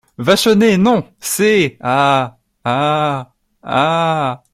Vachonnet Non ! ses … a … a … a …